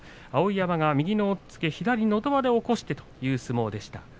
碧山が右の押っつけ左のど輪で起こしてという相撲でした。